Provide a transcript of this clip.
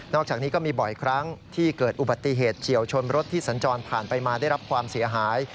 อกจากนี้ก็มีบ่อยครั้งที่เกิดอุบัติเหตุเฉียวชนรถที่สัญจรผ่านไปมาได้รับความเสียหาย